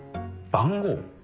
番号？